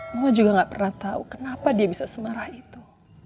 mama juga gak pernah tahu kenapa dia bisa semarah itu